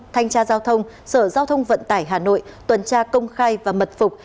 thanh tra giao thông sở giao thông vận tải hà nội tuần tra công khai và mật phục